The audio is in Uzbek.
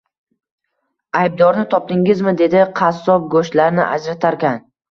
Aybdorni topdingizmi, dedi qassob go`shtlarni ajratarkan